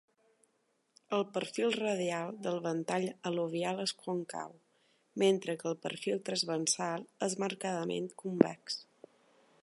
El perfil radial del ventall al·luvial és còncau, mentre que perfil transversal és marcadament convex.